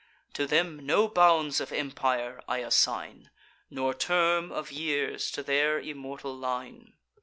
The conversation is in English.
To them no bounds of empire I assign, Nor term of years to their immortal line.